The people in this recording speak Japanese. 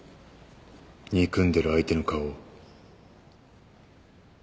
憎んでる相手の顔を。